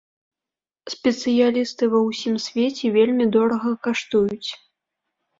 Спецыялісты ва ўсім свеце вельмі дорага каштуюць.